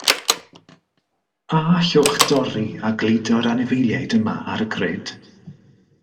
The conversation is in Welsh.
A allwch dorri a gludo'r anifeiliaid yma ar y grid?